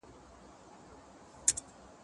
کېدای سي لیکل ستونزي ولري.